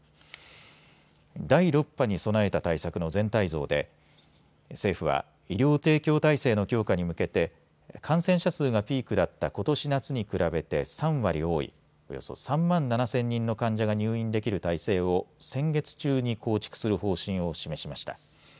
第６波に備えた対策の全体像で政府は医療提供体制の強化に向けて感染者数がピークだったことし夏に比べて３割多いおよそ３万７０００人の患者が入院できる体制を先月中に構築する方針を示しました。